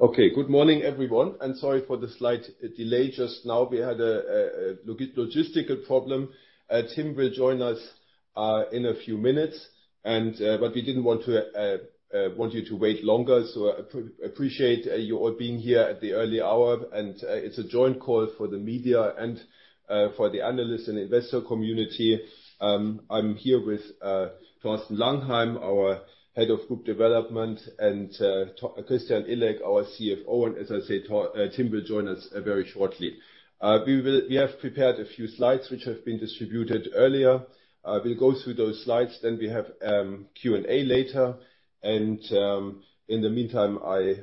Okay. Good morning, everyone, and sorry for the slight delay just now. We had a logistical problem. Tim will join us in a few minutes and but we didn't want you to wait longer. Appreciate you all being here at the early hour, and it's a joint call for the media and for the analyst and investor community. I'm here with Thorsten Langheim, our Head of Group Development, and Christian Illek, our CFO. As I said, Tim will join us very shortly. We have prepared a few slides which have been distributed earlier. We'll go through those slides, then we have Q&A later. In the meantime, I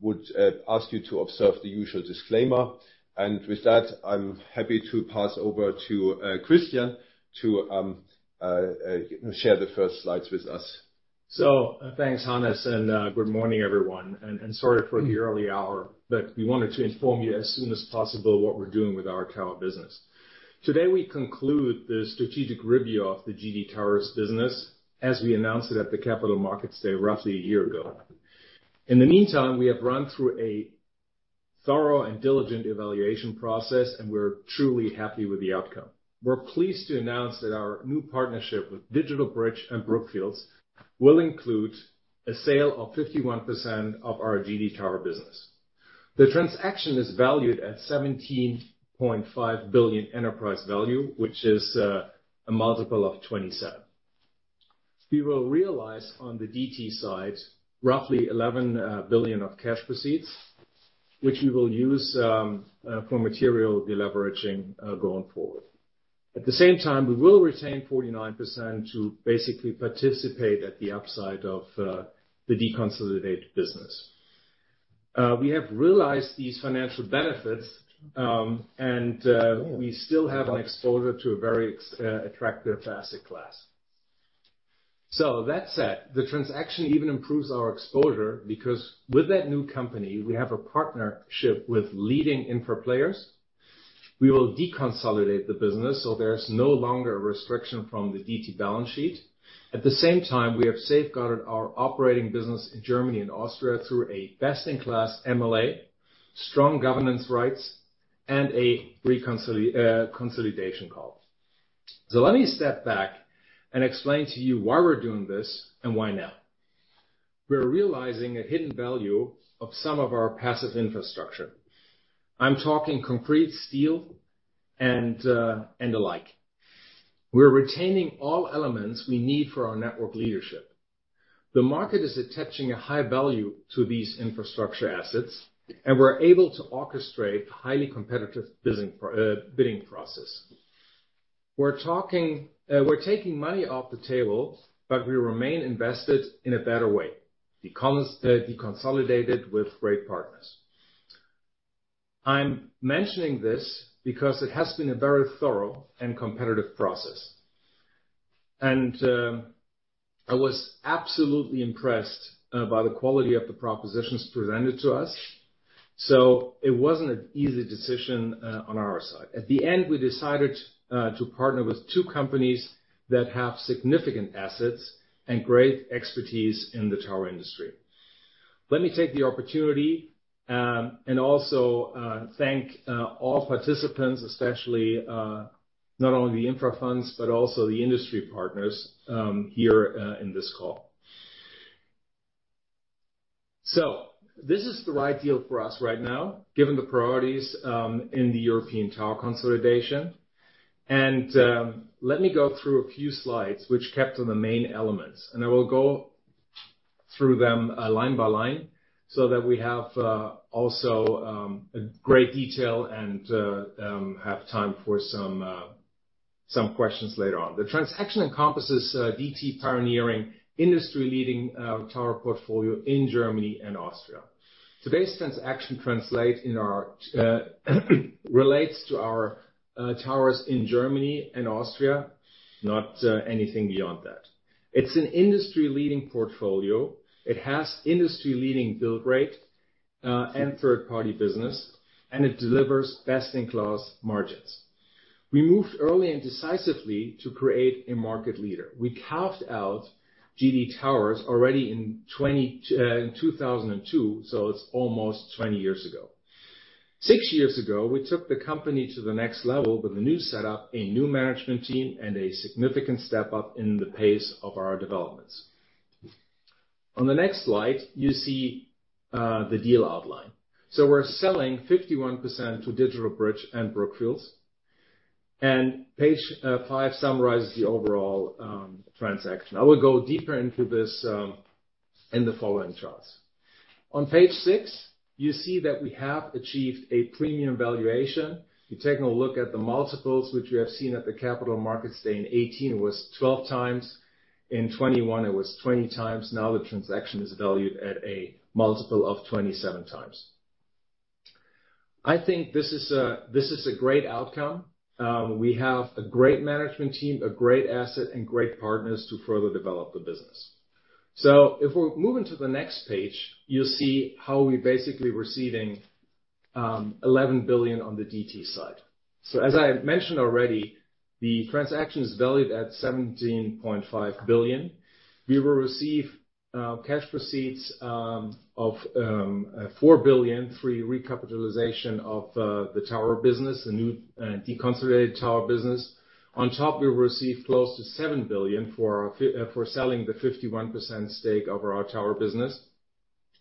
would ask you to observe the usual disclaimer. With that, I'm happy to pass over to Christian to share the first slides with us. Thanks, Hannes, and good morning everyone. Sorry for the early hour, but we wanted to inform you as soon as possible what we're doing with our tower business. Today, we conclude the strategic review of the GD Towers business as we announced it at the Capital Markets Day roughly a year ago. In the meantime, we have run through a thorough and diligent evaluation process, and we're truly happy with the outcome. We're pleased to announce that our new partnership with DigitalBridge and Brookfield will include a sale of 51% of our GD Towers business. The transaction is valued at 17.5 billion enterprise value, which is a 27x multiple. We will realize on the DT side roughly 11 billion of cash proceeds, which we will use for material de-leveraging going forward. At the same time, we will retain 49% to basically participate at the upside of the deconsolidated business. We have realized these financial benefits, and we still have an exposure to a very attractive asset class. That said, the transaction even improves our exposure because with that new company, we have a partnership with leading infra players. We will deconsolidate the business, so there's no longer a restriction from the DT balance sheet. At the same time, we have safeguarded our operating business in Germany and Austria through a best-in-class MLA, strong governance rights, and a consolidation call. Let me step back and explain to you why we're doing this and why now. We're realizing a hidden value of some of our passive infrastructure. I'm talking concrete, steel, and the like. We're retaining all elements we need for our network leadership. The market is attaching a high value to these infrastructure assets, and we're able to orchestrate highly competitive bidding process. We're taking money off the table, but we remain invested in a better way, deconsolidated with great partners. I'm mentioning this because it has been a very thorough and competitive process. I was absolutely impressed by the quality of the propositions presented to us. It wasn't an easy decision on our side. At the end, we decided to partner with two companies that have significant assets and great expertise in the tower industry. Let me take the opportunity and also thank all participants, especially not only the infra funds, but also the industry partners here in this call. This is the right deal for us right now, given the priorities in the European tower consolidation. Let me go through a few slides which capture the main elements, and I will go through them line by line so that we have also in great detail and have time for some questions later on. The transaction encompasses DT's pioneering industry-leading tower portfolio in Germany and Austria. Today's transaction relates to our towers in Germany and Austria, not anything beyond that. It's an industry-leading portfolio. It has industry-leading build rate and third-party business, and it delivers best-in-class margins. We moved early and decisively to create a market leader. We carved out GD Towers already in 2002, so it's almost 20 years ago. Six years ago, we took the company to the next level with a new setup, a new management team, and a significant step up in the pace of our developments. On the next slide, you see the deal outline. We're selling 51 percent to DigitalBridge and Brookfield. Page five summarizes the overall transaction. I will go deeper into this in the following charts. On page six, you see that we have achieved a premium valuation. You're taking a look at the multiples which we have seen at the Capital Markets Day. In 2018 it was 12x. In 2021 it was 20x. Now the transaction is valued at a multiple of 27x. I think this is a great outcome. We have a great management team, a great asset, and great partners to further develop the business. If we're moving to the next page, you'll see how we're basically receiving 11 billion on the DT side. As I mentioned already, the transaction is valued at 17.5 billion. We will receive cash proceeds of 4 billion through recapitalization of the tower business, the new deconsolidated tower business. On top, we will receive close to 7 billion for selling the 51% stake of our tower business.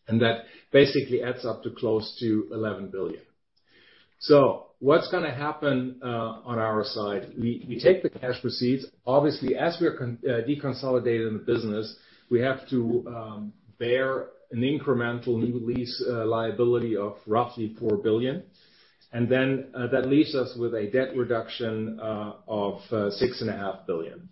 That basically adds up to close to 11 billion. What's gonna happen on our side? We take the cash proceeds. Obviously, as we are deconsolidating the business, we have to bear an incremental new lease liability of roughly 4 billion. That leaves us with a debt reduction of 6.5 billion.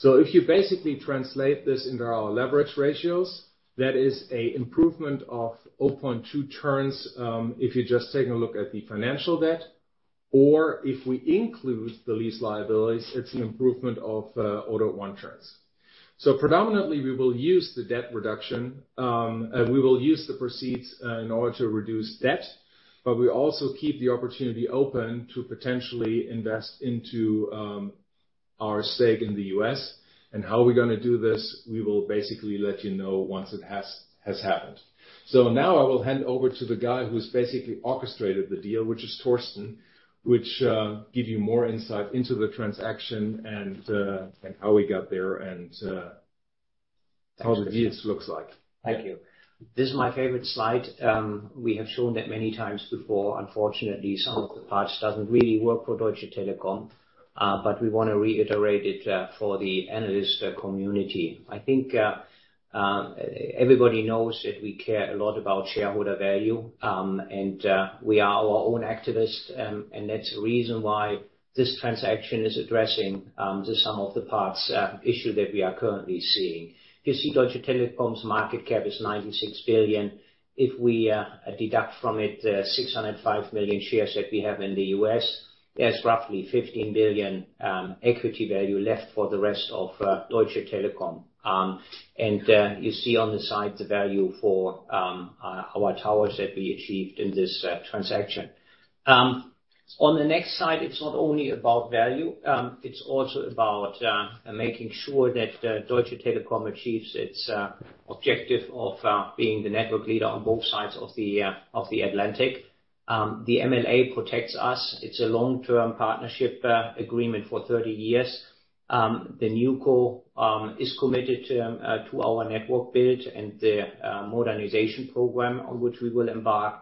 If you basically translate this into our leverage ratios, that is an improvement of 0.2 turns, if you're just taking a look at the financial debt, or if we include the lease liabilities, it's an improvement of 0.1 turns. Predominantly we will use the debt reduction. We will use the proceeds in order to reduce debt, but we also keep the opportunity open to potentially invest into our stake in the U.S. How we're gonna do this, we will basically let you know once it has happened. Now I will hand over to the guy who's basically orchestrated the deal, which is Thorsten, which give you more insight into the transaction and how we got there and how the deal looks like. Thank you. This is my favorite slide. We have shown that many times before. Unfortunately, some of the parts doesn't really work for Deutsche Telekom, but we wanna reiterate it for the analyst community. I think, everybody knows that we care a lot about shareholder value, and we are our own activists. That's the reason why this transaction is addressing the sum of the parts issue that we are currently seeing. You see Deutsche Telekom's market cap is 96 billion. If we deduct from it the 605 million shares that we have in the U.S., there's roughly 15 billion equity value left for the rest of Deutsche Telekom. You see on the side the value for our towers that we achieved in this transaction. On the next slide, it's not only about value, it's also about making sure that Deutsche Telekom achieves its objective of being the network leader on both sides of the Atlantic. The MLA protects us. It's a long-term partnership agreement for 30 years. The new TowerCo is committed to our network build and the modernization program on which we will embark.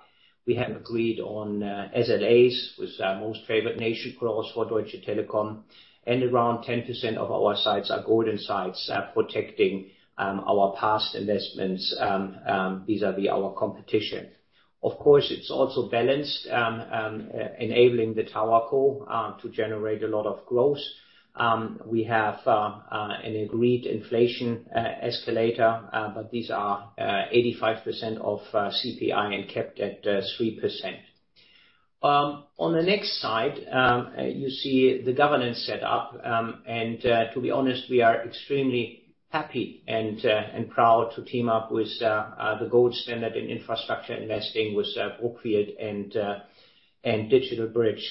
We have agreed on SLAs with our most favored nation clause for Deutsche Telekom. Around 10% of our sites are golden sites, protecting our past investments vis-à-vis our competition. Of course, it's also balanced, enabling the TowerCo to generate a lot of growth. We have an agreed inflation escalator, but these are 85% of CPI and capped at 3%. On the next slide, you see the governance set up. To be honest, we are extremely happy and proud to team up with the gold standard in infrastructure investing with Brookfield and DigitalBridge.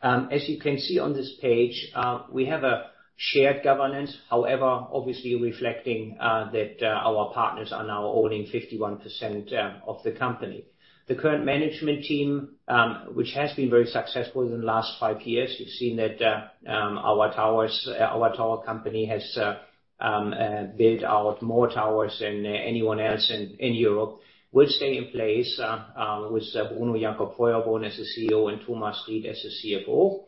As you can see on this page, we have a shared governance. However, obviously reflecting that our partners are now owning 51% of the company. The current management team, which has been very successful in the last five years, we've seen that our tower company has built out more towers than anyone else in Europe, will stay in place with Bruno Jacobfeuerborn as the CEO and Thomas Ried as the CFO.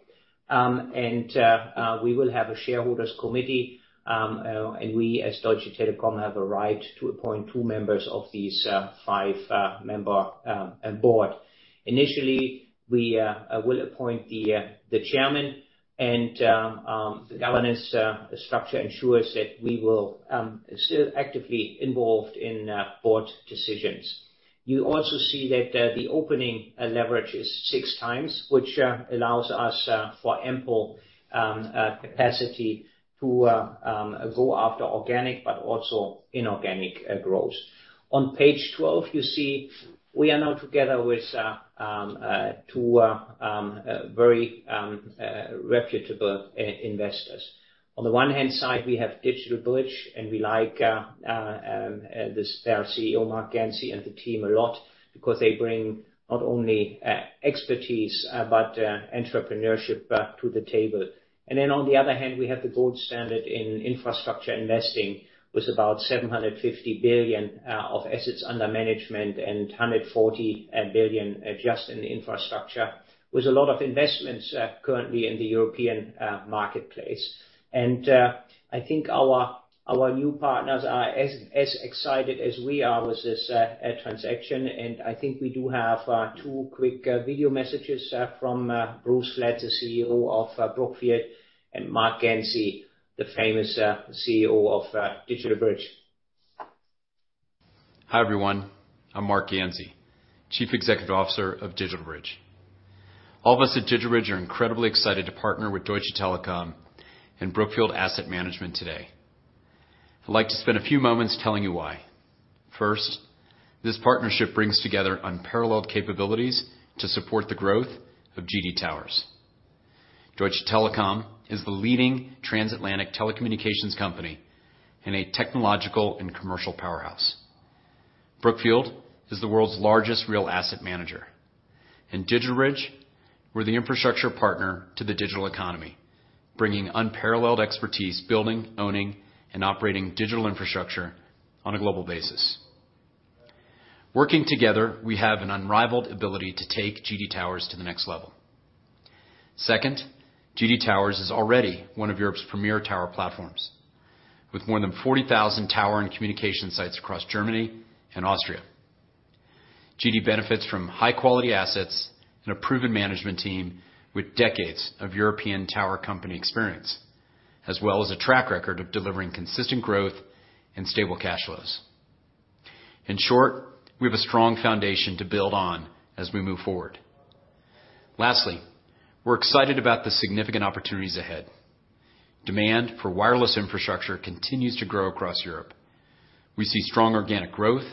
We will have a shareholders committee, and we, as Deutsche Telekom, have a right to appoint two members of these five-member board. Initially, we will appoint the chairman and the governance structure ensures that we will still actively involved in board decisions. You also see that the opening leverage is 6x, which allows us for ample capacity to go after organic, but also inorganic growth. On page 12, you see we are now together with two very reputable investors. On the one hand side, we have DigitalBridge, and we like their CEO, Marc Ganzi, and the team a lot because they bring not only expertise, but entrepreneurship to the table. On the other hand, we have the gold standard in infrastructure investing with about 750 billion of assets under management and 140 billion just in infrastructure, with a lot of investments currently in the European marketplace. I think our new partners are as excited as we are with this transaction. I think we do have two quick video messages from Bruce Flatt, the CEO of Brookfield, and Marc Ganzi, the famous CEO of DigitalBridge. Hi, everyone. I'm Marc Ganzi, Chief Executive Officer of DigitalBridge. All of us at DigitalBridge are incredibly excited to partner with Deutsche Telekom and Brookfield Asset Management today. I'd like to spend a few moments telling you why. First, this partnership brings together unparalleled capabilities to support the growth of GD Towers. Deutsche Telekom is the leading transatlantic telecommunications company and a technological and commercial powerhouse. Brookfield is the world's largest real asset manager. In DigitalBridge, we're the infrastructure partner to the digital economy, bringing unparalleled expertise, building, owning, and operating digital infrastructure on a global basis. Working together, we have an unrivaled ability to take GD Towers to the next level. Second, GD Towers is already one of Europe's premier tower platforms, with more than 40,000 tower and communication sites across Germany and Austria. GD benefits from high-quality assets and a proven management team with decades of European tower company experience, as well as a track record of delivering consistent growth and stable cash flows. In short, we have a strong foundation to build on as we move forward. Lastly, we're excited about the significant opportunities ahead. Demand for wireless infrastructure continues to grow across Europe. We see strong organic growth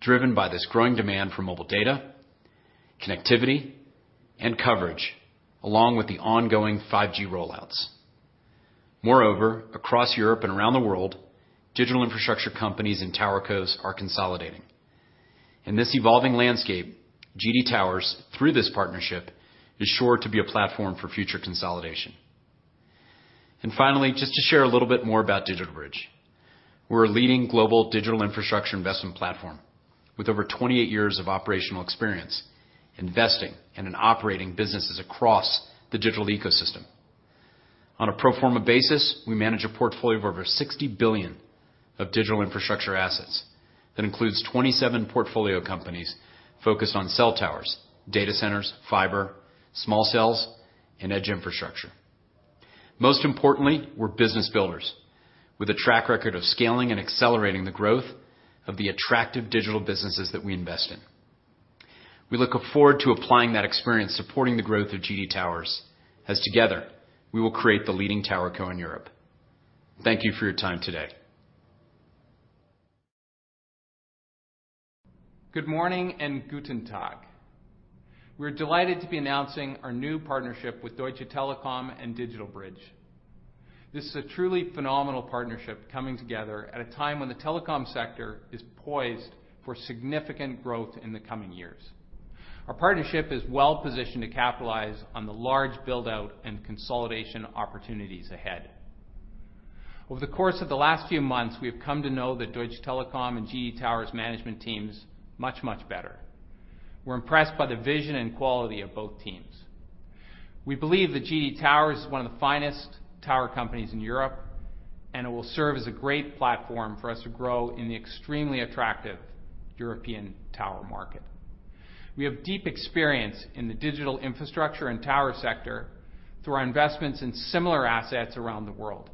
driven by this growing demand for mobile data, connectivity, and coverage, along with the ongoing 5G rollouts. Moreover, across Europe and around the world, digital infrastructure companies and tower cos are consolidating. In this evolving landscape, GD Towers, through this partnership, is sure to be a platform for future consolidation. Finally, just to share a little bit more about DigitalBridge. We're a leading global digital infrastructure investment platform with over 28 years of operational experience investing in and operating businesses across the digital ecosystem. On a pro forma basis, we manage a portfolio of over 60 billion of digital infrastructure assets. That includes 27 portfolio companies focused on cell towers, data centers, fiber, small cells, and edge infrastructure. Most importantly, we're business builders with a track record of scaling and accelerating the growth of the attractive digital businesses that we invest in. We look forward to applying that experience, supporting the growth of GD Towers, as together, we will create the leading TowerCo in Europe. Thank you for your time today. Good morning and Guten Tag. We're delighted to be announcing our new partnership with Deutsche Telekom and DigitalBridge. This is a truly phenomenal partnership coming together at a time when the telecom sector is poised for significant growth in the coming years. Our partnership is well-positioned to capitalize on the large build-out and consolidation opportunities ahead. Over the course of the last few months, we have come to know the Deutsche Telekom and GD Towers management teams much, much better. We're impressed by the vision and quality of both teams. We believe that GD Towers is one of the finest tower companies in Europe, and it will serve as a great platform for us to grow in the extremely attractive European tower market. We have deep experience in the digital infrastructure and tower sector through our investments in similar assets around the world.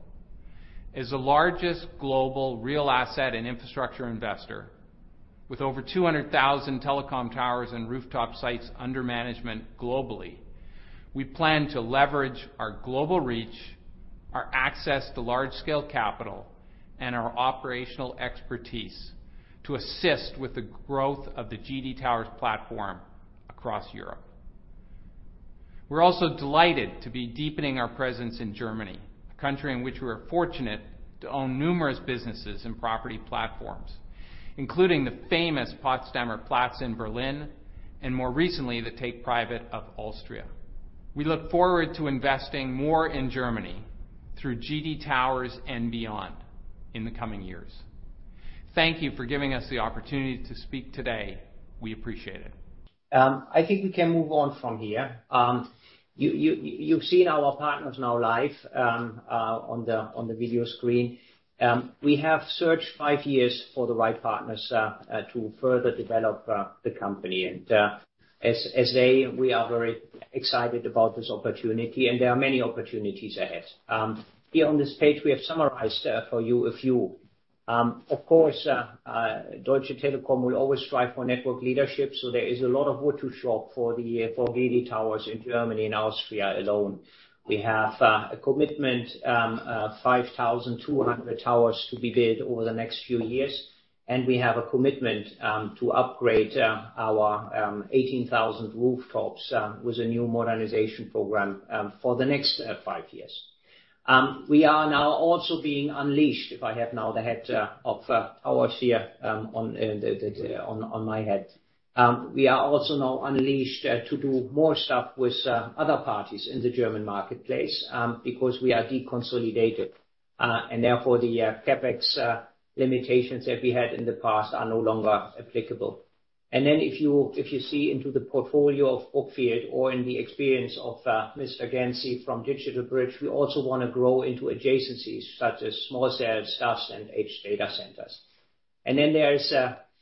As the largest global real asset and infrastructure investor, with over 200,000 telecom towers and rooftop sites under management globally, we plan to leverage our global reach, our access to large-scale capital, and our operational expertise to assist with the growth of the GD Towers platform across Europe. We're also delighted to be deepening our presence in Germany, a country in which we are fortunate to own numerous businesses and property platforms, including the famous Potsdamer Platz in Berlin, and more recently, the take-private of Alstria. We look forward to investing more in Germany through GD Towers and beyond in the coming years. Thank you for giving us the opportunity to speak today. We appreciate it. I think we can move on from here. You have seen our partners now live on the video screen. We have searched five years for the right partners to further develop the company. We are very excited about this opportunity, and there are many opportunities ahead. Here on this page, we have summarized for you a few. Of course, Deutsche Telekom will always strive for network leadership, so there is a lot of what to shop for GD Towers in Germany and Austria alone. We have a commitment 5,200 towers to be built over the next few years, and we have a commitment to upgrade our 18,000 rooftops with a new modernization program for the next five years. We are now also being unleashed. If I have now the head of towers here on my head. We are also now unleashed to do more stuff with other parties in the German marketplace because we are deconsolidated. Therefore, the CapEx limitations that we had in the past are no longer applicable. If you see into the portfolio of Brookfield or in the experience of Mr. Ganzi from DigitalBridge, we also wanna grow into adjacencies such as small cell sites and edge data centers. Then there is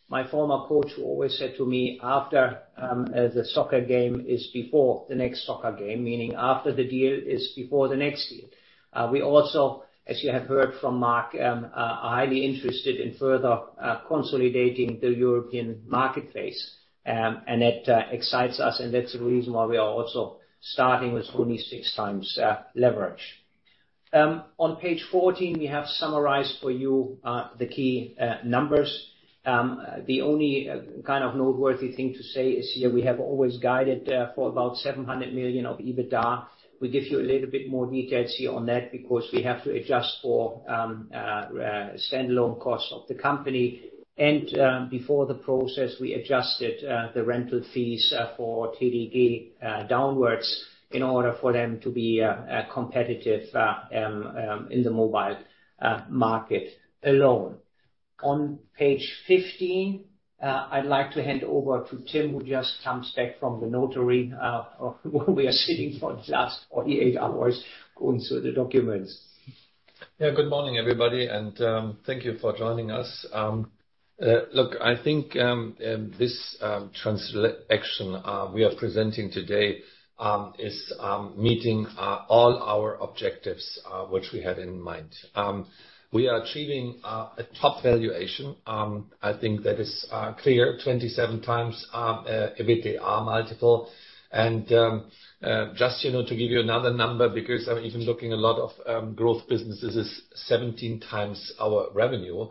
my former coach who always said to me, "After the soccer game is before the next soccer game." Meaning after the deal is before the next deal. We also, as you have heard from Marc, are highly interested in further consolidating the European marketplace. It excites us, and that's the reason why we are also starting with only 6x leverage. On page 14, we have summarized for you the key numbers. The only kind of noteworthy thing to say is here we have always guided for about 700 million of EBITDA. We give you a little bit more details here on that because we have to adjust for standalone costs of the company. Before the process, we adjusted the rental fees for GD Towers downwards in order for them to be competitive in the mobile market alone. On page 15, I'd like to hand over to Tim, who just comes back from the notary, where we are sitting for the last 48 hours going through the documents. Yeah, good morning, everybody, and thank you for joining us. Look, I think this transaction we are presenting today is meeting all our objectives which we had in mind. We are achieving a top valuation. I think that is clear. 27x EBITDA multiple. Just, you know, to give you another number, because even looking at a lot of growth businesses is 17x our revenue.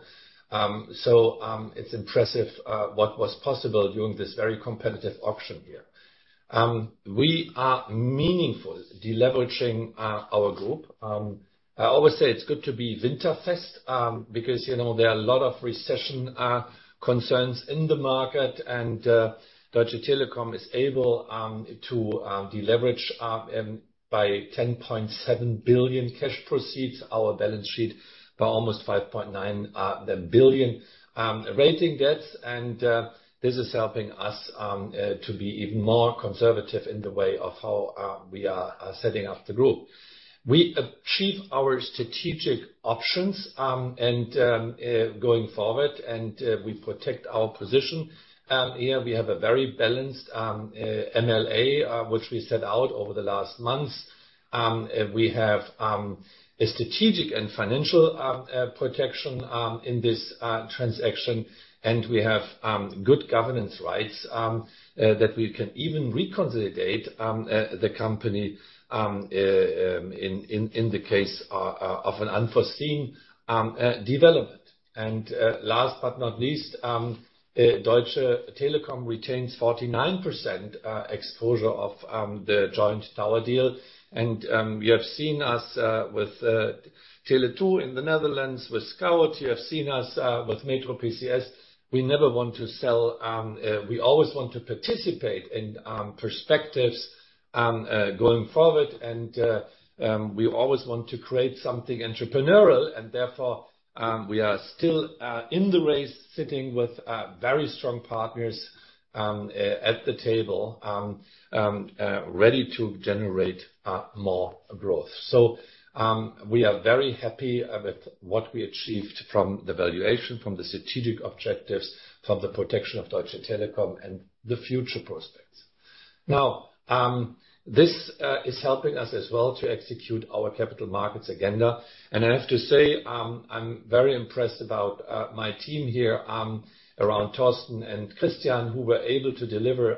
It's impressive what was possible during this very competitive auction here. We are meaningfully deleveraging our group. I always say it's good to be winterfest, because, you know, there are a lot of recession concerns in the market, and Deutsche Telekom is able to deleverage by 10.7 billion cash proceeds our balance sheet by almost 5.9 billion rated debts. This is helping us to be even more conservative in the way of how we are setting up the group. We achieve our strategic options and going forward, we protect our position. Here we have a very balanced MLA, which we set out over the last months. We have a strategic and financial protection in this transaction. We have good governance rights that we can even reconsolidate the company in the case of an unforeseen development. Last but not least, Deutsche Telekom retains 49% exposure of the joint tower deal. You have seen us with Tele2 in the Netherlands with Scout24. You have seen us with MetroPCS. We never want to sell, we always want to participate in prospects going forward, and we always want to create something entrepreneurial. Therefore, we are still in the race, sitting with very strong partners at the table ready to generate more growth. We are very happy with what we achieved from the valuation, from the strategic objectives, from the protection of Deutsche Telekom and the future prospects. Now, this is helping us as well to execute our capital markets agenda. I have to say, I'm very impressed about my team here around Thorsten and Christian, who were able to deliver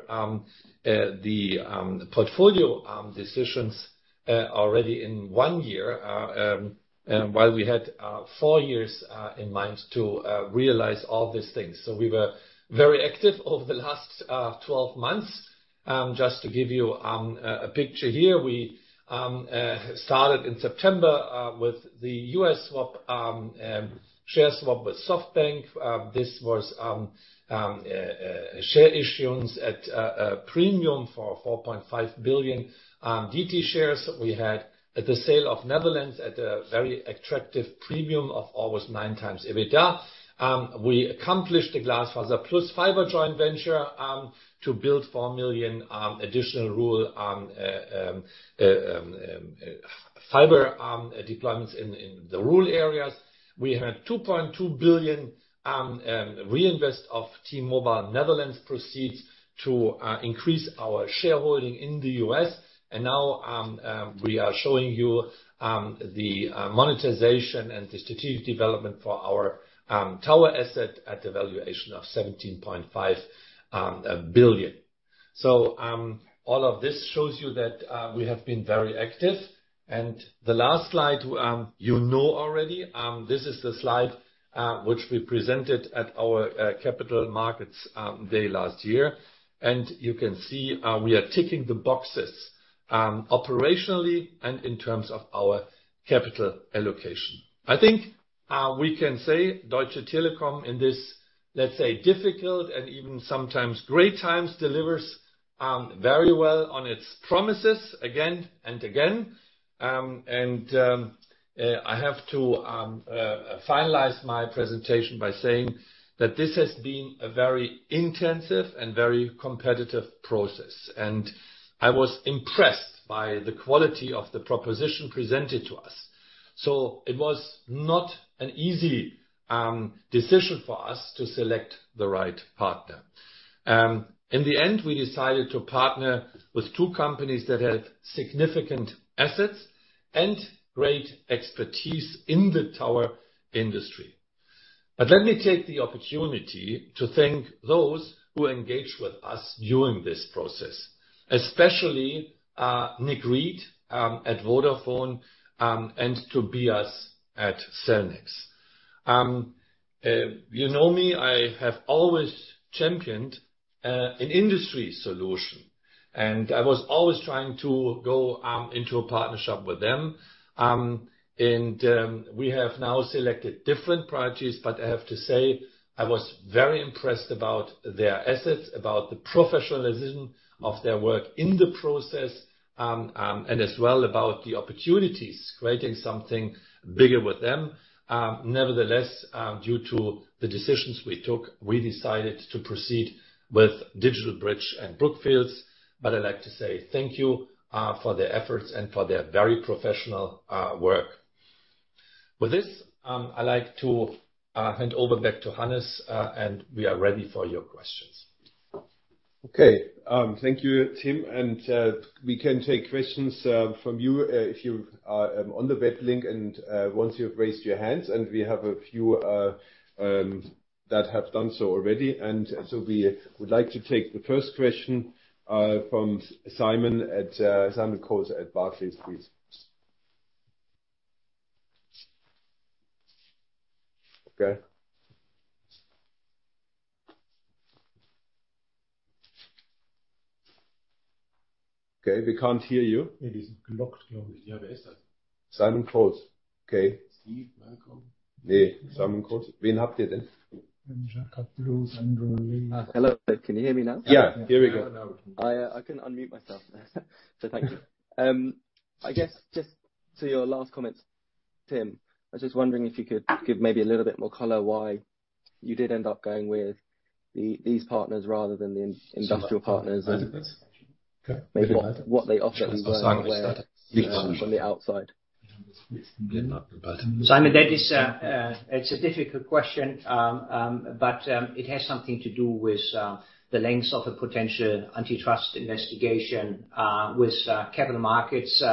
the portfolio decisions already in one year while we had four years in mind to realize all these things. We were very active over the last 12 months. Just to give you a picture here, we started in September with the U.S. share swap with SoftBank. This was share issuance at a premium for 4.5 billion DT shares. We had the sale of Netherlands at a very attractive premium of almost 9x EBITDA. We accomplished the GlasfaserPlus fiber joint venture to build 4 million additional rural fiber deployments in the rural areas. We had 2.2 billion reinvest of T-Mobile Netherlands proceeds to increase our shareholding in the U.S. Now, we are showing you the monetization and the strategic development for our tower asset at the valuation of 17.5 billion. All of this shows you that we have been very active. The last slide you know already. This is the slide which we presented at our Capital Markets Day last year. You can see we are ticking the boxes operationally and in terms of our capital allocation. I think we can say Deutsche Telekom in this, let's say, difficult and even sometimes great times, delivers very well on its promises again and again. I have to finalize my presentation by saying that this has been a very intensive and very competitive process. I was impressed by the quality of the proposition presented to us. It was not an easy decision for us to select the right partner. In the end, we decided to partner with two companies that have significant assets and great expertise in the tower industry. Let me take the opportunity to thank those who engaged with us during this process, especially Nick Read at Vodafone and Tobias Martinez at Cellnex. You know me, I have always championed an industry solution, and I was always trying to go into a partnership with them. We have now selected different parties, but I have to say, I was very impressed about their assets, about the professionalism of their work in the process, and as well about the opportunities, creating something bigger with them. Nevertheless, due to the decisions we took, we decided to proceed with DigitalBridge and Brookfield. I'd like to say thank you for their efforts and for their very professional work. With this, I'd like to hand over back to Hannes, and we are ready for your questions. Okay. Thank you, Tim. We can take questions from you if you are on the web link and once you've raised your hands, and we have a few that have done so already. We would like to take the first question from Simon Coles at Barclays, please. Okay. Okay, we can't hear you. Simon Coles. Okay. Steve Malcolm. No. Simon Coles. Hello. Can you hear me now? Yeah. Here we go. Now we can. I can unmute myself. Thank you. I guess just to your last comments, Tim, I was just wondering if you could give maybe a little bit more color why you did end up going with these partners rather than the industrial partners and maybe what they offer you from the outside. Simon, that is, it's a difficult question. But it has something to do with the lengths of a potential antitrust investigation with capital markets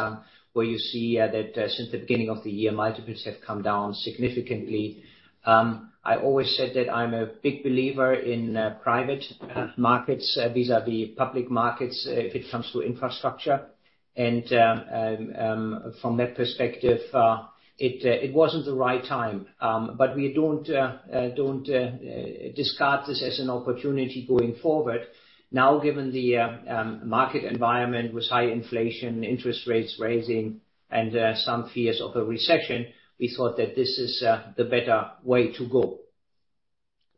where you see that since the beginning of the year, multiples have come down significantly. I always said that I'm a big believer in private markets vis-à-vis public markets if it comes to infrastructure. From that perspective, it wasn't the right time. But we don't discard this as an opportunity going forward. Now, given the market environment with high inflation, interest rates rising, and some fears of a recession, we thought that this is the better way to go.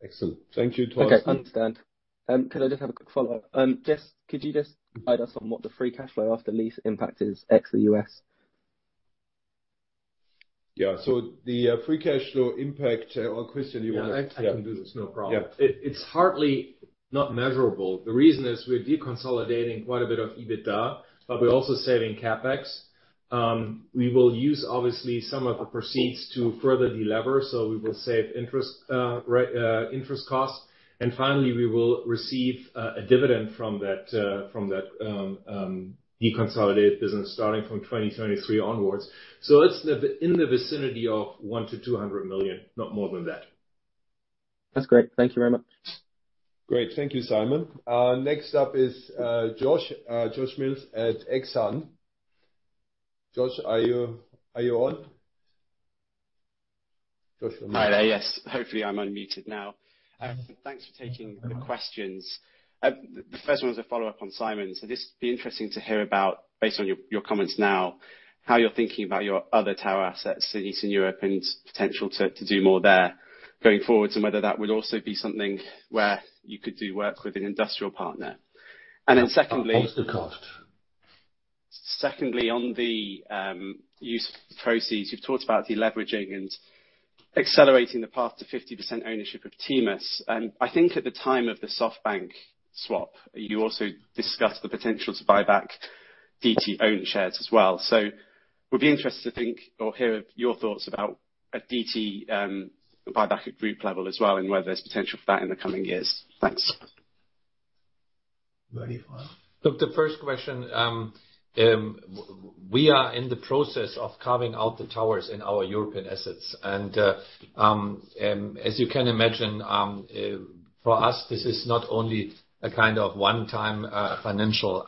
Excellent. Thank you, Thorsten. Okay. Understand. Could I just have a quick follow-up? Could you just guide us on what the free cash flow after lease impact is ex the U.S.? The free cash flow impact, or Christian, you wanna- Yeah. I can do this, no problem. Yeah. It's hardly not measurable. The reason is we're deconsolidating quite a bit of EBITDA, but we're also saving CapEx. We will use, obviously, some of the proceeds to further delever, so we will save interest costs. Finally, we will receive a dividend from that deconsolidated business starting from 2023 onwards. It's in the vicinity of 100-200 million, not more than that. That's great. Thank you very much. Great. Thank you, Simon. Next up is Josh, Joshua Mills at Exane. Josh, are you on? Josh, you're muted. Hi there. Yes. Hopefully, I'm unmuted now. Thanks for taking the questions. The first one is a follow-up on Simon. This will be interesting to hear about, based on your comments now, how you're thinking about your other tower assets in Eastern Europe and potential to do more there going forward, and whether that would also be something where you could do work with an industrial partner. Secondly, on the use of the proceeds, you've talked about deleveraging and accelerating the path to 50% ownership of TMUS. I think at the time of the SoftBank swap, you also discussed the potential to buy back DT-owned shares as well. Would be interested to hear your thoughts about a DT buyback at group level as well, and whether there's potential for that in the coming years. Thanks. Ready, Tim? Look, the first question, we are in the process of carving out the towers in our European assets. As you can imagine, for us, this is not only a kind of one-time financial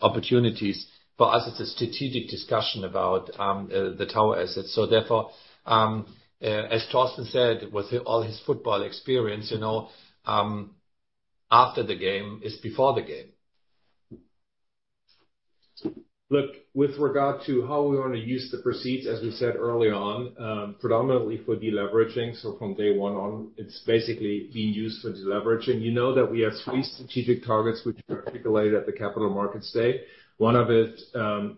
opportunities. For us, it's a strategic discussion about the tower assets. As Thorsten said, with all his football experience, you know, after the game is before the game. Look, with regard to how we wanna use the proceeds, as we said early on, predominantly for deleveraging. From day one on, it's basically being used for deleveraging. You know that we have three strategic targets which we articulated at the Capital Markets Day. One of it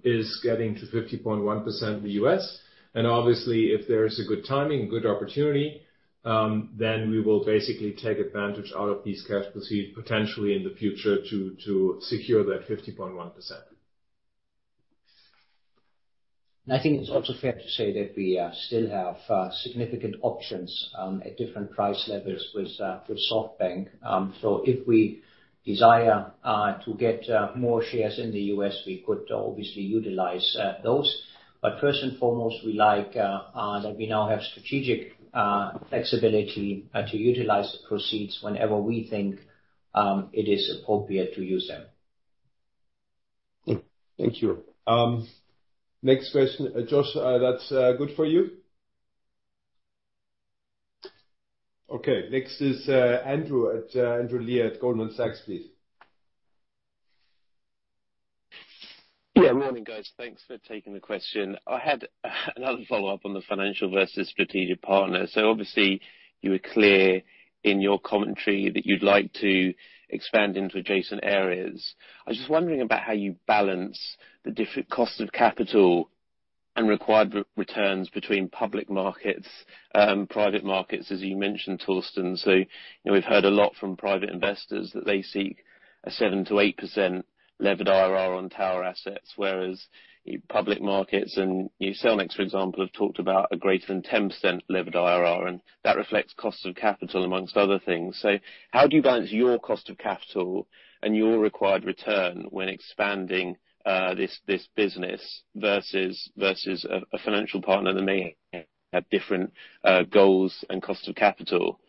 is getting to 50.1% the U.S. Obviously, if there is a good timing, good opportunity, then we will basically take advantage out of these cash proceeds potentially in the future to secure that 50.1%. I think it's also fair to say that we still have significant options at different price levels with SoftBank. If we desire to get more shares in the U.S., we could obviously utilize those. First and foremost, we like that we now have strategic flexibility to utilize the proceeds whenever we think it is appropriate to use that. Thank you. Next question. Josh, that's good for you? Okay, next is Andrew Lee at Goldman Sachs, please. Yeah. Morning, guys. Thanks for taking the question. I had another follow-up on the financial versus strategic partner. Obviously, you were clear in your commentary that you'd like to expand into adjacent areas. I was just wondering about how you balance the different cost of capital and required returns between public markets, private markets, as you mentioned, Thorsten. You know, we've heard a lot from private investors that they seek a 7%-8% levered IRR on tower assets, whereas public markets and Cellnex, for example, have talked about a greater than 10% levered IRR, and that reflects cost of capital, among other things. How do you balance your cost of capital and your required return when expanding this business versus a financial partner that may have different goals and cost of capital?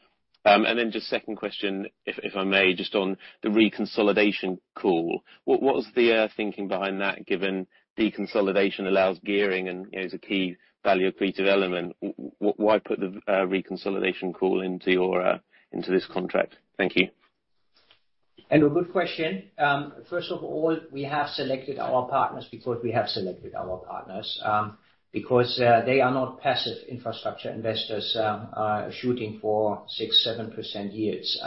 Just second question, if I may, just on the reconsolidation call. What was the thinking behind that, given deconsolidation allows gearing and, you know, is a key value creative element. Why put the reconsolidation call into this contract? Thank you. Andrew, good question. First of all, we have selected our partners because they are not passive infrastructure investors shooting for 6-7% yields.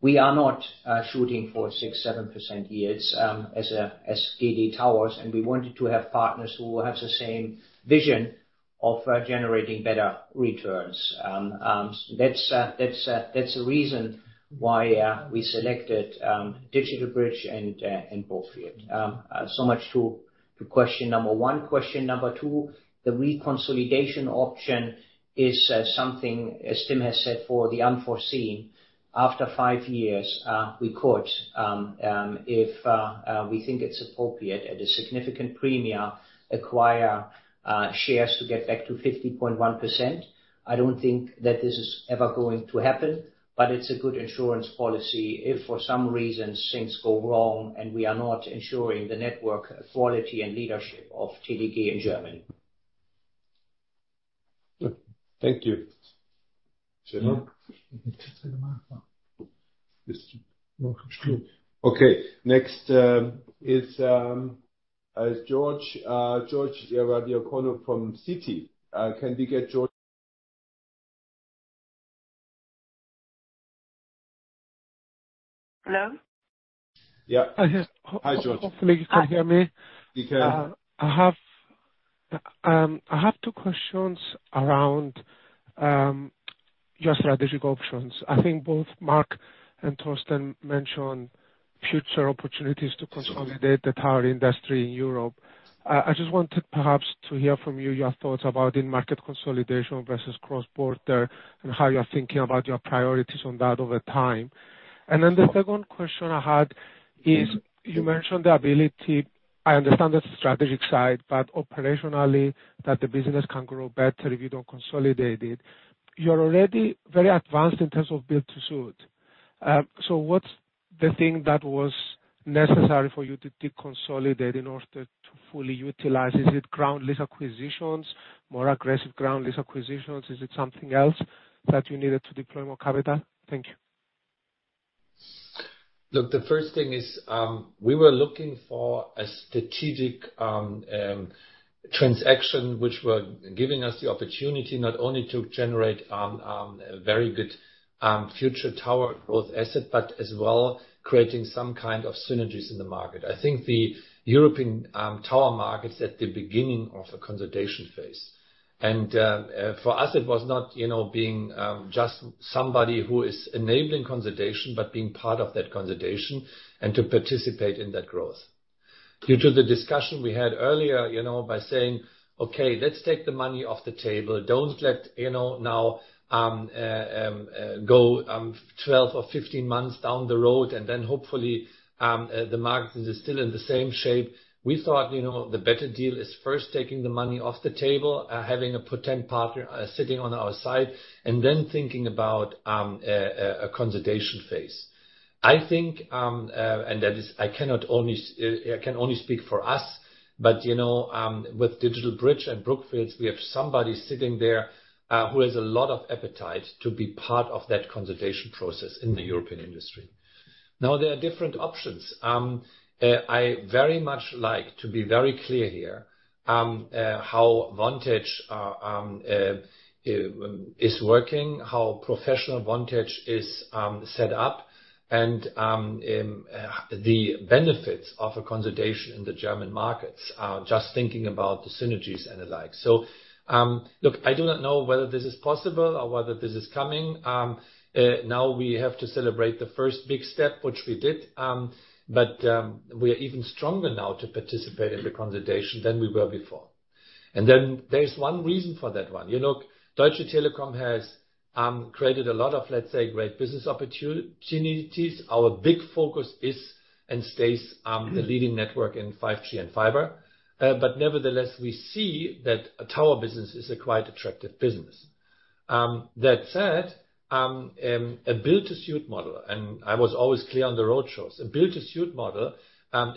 We are not shooting for 6-7% yields as GD Towers, and we wanted to have partners who have the same vision of generating better returns. That's the reason why we selected DigitalBridge and Brookfield. So much to question number one. Question number two. The reconsolidation option is something, as Tim has said, for the unforeseen. After five years, we could, if we think it's appropriate at a significant premium, acquire shares to get back to 50.1%. I don't think that this is ever going to happen, but it's a good insurance policy if for some reason things go wrong and we are not ensuring the network quality and leadership of DTAG in Germany. Thank you. Okay. Next, is George, Georgios Ierodiaconou from Citi. Can we get George? Hello? Yeah. Hi, George. Hopefully you can hear me. We can. I have two questions around your strategic options. I think both Marc and Thorsten mentioned future opportunities to consolidate the tower industry in Europe. I just wanted perhaps to hear from you your thoughts about in-market consolidation versus cross-border, and how you're thinking about your priorities on that over time. The second question I had is you mentioned the ability. I understand the strategic side, but operationally that the business can grow better if you don't consolidate it. You're already very advanced in terms of build-to-suit. What's the thing that was necessary for you to consolidate in order to fully utilize? Is it ground lease acquisitions, more aggressive ground lease acquisitions? Is it something else that you needed to deploy more capital? Thank you. Look, the first thing is, we were looking for a strategic transaction which were giving us the opportunity not only to generate a very good future tower growth asset, but as well creating some kind of synergies in the market. I think the European tower market's at the beginning of a consolidation phase. For us, it was not, you know, being just somebody who is enabling consolidation, but being part of that consolidation and to participate in that growth. Due to the discussion we had earlier, you know, by saying, "Okay, let's take the money off the table. Don't let, you know, now, go 12 or 15 months down the road, and then hopefully, the market is still in the same shape." We thought, you know, the better deal is first taking the money off the table, having a potent partner, sitting on our side, and then thinking about a consolidation phase. I think, and that is, I can only speak for us, but, you know, with DigitalBridge and Brookfield, we have somebody sitting there, who has a lot of appetite to be part of that consolidation process in the European industry. Now, there are different options. I very much like to be very clear here, how Vantage is working, how professional Vantage is set up, and the benefits of a consolidation in the German markets, just thinking about the synergies and the like. Look, I do not know whether this is possible or whether this is coming. Now we have to celebrate the first big step, which we did. We are even stronger now to participate in the consolidation than we were before. There is one reason for that one. You know, Deutsche Telekom has created a lot of, let's say, great business opportunities. Our big focus is and stays the leading network in 5G and fiber. Nevertheless, we see that a tower business is a quite attractive business. That said, a Build-to-Suit model, and I was always clear on the roadshows. A Build-to-Suit model